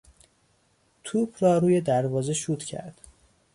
توپ را توی دروازه شوت کرد.